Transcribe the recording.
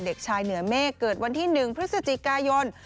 เด็กชายเหนือเมฆเกิดวันที่๑พฤศจิกายน